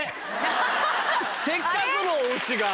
せっかくのお家が。